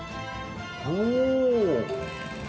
お！